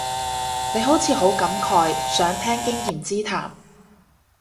你好似好感慨，想聽經驗之談